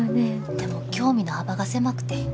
でも興味の幅が狭くて。